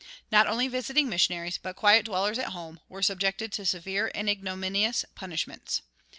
Not only visiting missionaries, but quiet dwellers at home, were subjected to severe and ignominious punishments.